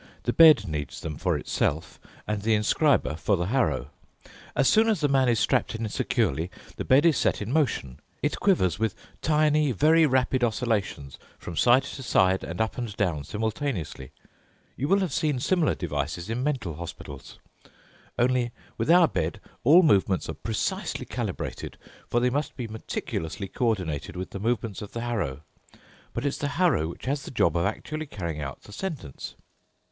The bed needs them for itself, and the inscriber for the harrow. As soon as the man is strapped in securely, the bed is set in motion. It quivers with tiny, very rapid oscillations from side to side and up and down simultaneously. You will have seen similar devices in mental hospitals. Only with our bed all movements are precisely calibrated, for they must be meticulously coordinated with the movements of the harrow. But it's the harrow which has the job of actually carrying out the sentence."